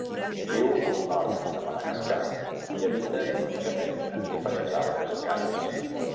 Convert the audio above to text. Viu al nord de Madagascar i habita típicament en diferents arbres i cases.